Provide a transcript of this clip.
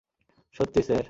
সত্যি, স্যার?